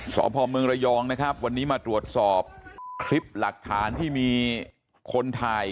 สอบภอมเมืองระยองนะครับวันนี้มาตรวจสอบคลิปหลักฐานที่มีคนถ่าย